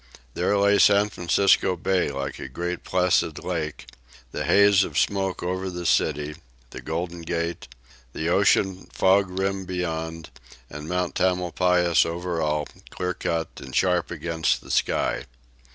There lay San Francisco Bay like a great placid lake, the haze of smoke over the city, the Golden Gate, the ocean fog rim beyond, and Mount Tamalpais over all, clear cut and sharp against the sky.